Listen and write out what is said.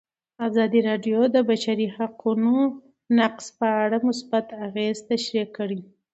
ازادي راډیو د د بشري حقونو نقض په اړه مثبت اغېزې تشریح کړي.